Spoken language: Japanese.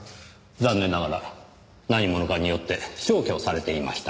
残念ながら何者かによって消去されていました。